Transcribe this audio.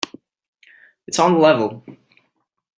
It's on the level.